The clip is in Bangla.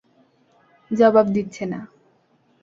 জবাব দিচ্ছে না।